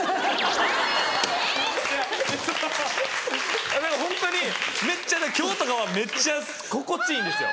えぇ⁉ホントにめっちゃ今日とかはめっちゃ心地いいんですよ。